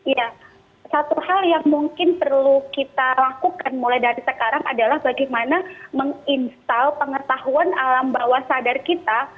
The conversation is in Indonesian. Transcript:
ya satu hal yang mungkin perlu kita lakukan mulai dari sekarang adalah bagaimana menginstal pengetahuan alam bawah sadar kita